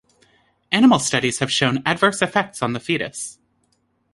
Animal studies have shown adverse effects on the fetus.